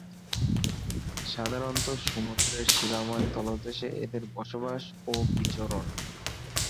সাধারণতঃ সমুদ্রের শিলাময় তলদেশে এদের বসবাস ও বিচরণ।